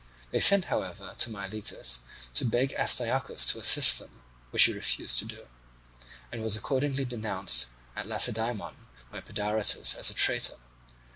They sent, however, to Miletus to beg Astyochus to assist them, which he refused to do, and was accordingly denounced at Lacedaemon by Pedaritus as a traitor.